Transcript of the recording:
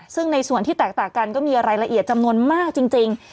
ซึ่งในส่วนที่แตกต่างกันก็มีรายละเอียดจำนวนมากจริง